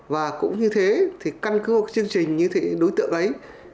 và cũng như thế thì căn cứ một chương trình như thế đối tượng ấy